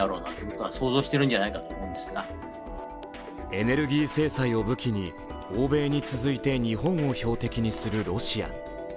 エネルギー制裁を武器に欧米に続いて日本を標的にするロシア。